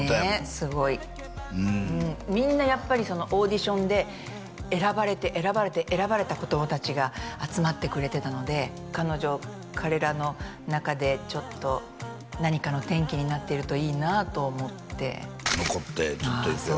すごいうんみんなやっぱりそのオーディションで選ばれて選ばれて選ばれた子供達が集まってくれてたので彼女彼らの中でちょっと何かの転機になってるといいなと思って残ってずっといてああ